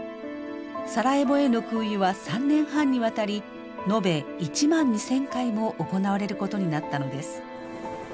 サラエボへの空輸は３年半にわたり延べ１万２，０００回も行われることになったのです。